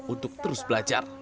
untuk terus belajar